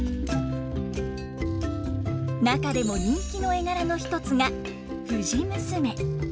中でも人気の絵柄の一つが藤娘。